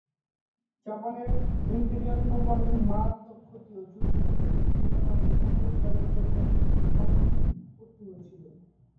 জাপানের ইম্পেরিয়াল নৌবাহিনীর মারাত্মক ক্ষতি ও যুদ্ধে ক্ষতিগ্রস্ত বিমান বাহিনীর পুনরুদ্ধারের জন্য সংগ্রাম করতে হয়েছিল।